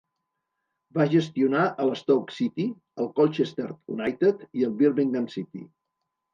Va gestionar el Stoke City, el Colchester United i el Birmingham City.